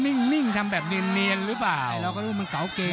นิ่งทำแบบเนียนหรือเปล่าเราก็รู้มันเก่าเกม